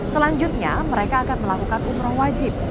selanjutnya mereka akan melakukan umroh wajib